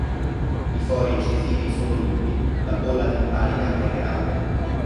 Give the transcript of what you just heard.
I fori incisivi sono lunghi, la bolla timpanica è grande.